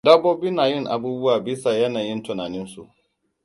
Dabbobi na yin abubuwa bisa yanayin tunaninsu.